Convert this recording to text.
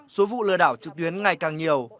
số vụ lừa đảo trực tuyến ngày càng nhiều